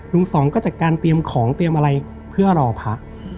สองก็จัดการเตรียมของเตรียมอะไรเพื่อรอพระ